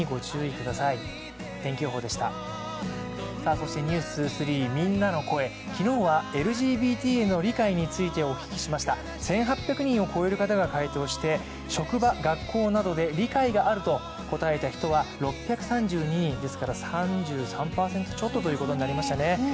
そして「ｎｅｗｓ２３」、みんなの声、昨日はＬＧＢＴへの理解について質問し１８００人を超える方が回答して職場・学校などで理解があると答えた人は６３２人、ですから３３％ちょっとということになりましたね。